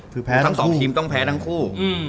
ทั้ง๒ทีมต้องแพ้ทั้งคู่